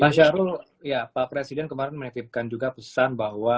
pak syahrul ya pak presiden kemarin menitipkan juga pesan bahwa